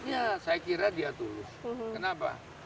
ya saya kira dia tulus kenapa